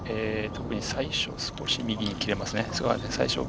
最初、少し右に切れますね。